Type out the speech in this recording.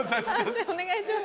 判定お願いします。